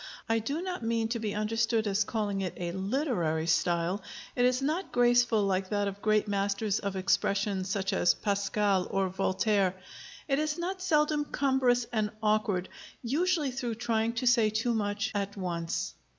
I do not mean to be understood as calling it a literary style. It is not graceful like that of great masters of expression such as Pascal or Voltaire. It is not seldom cumbrous and awkward, usually through trying to say too much at once.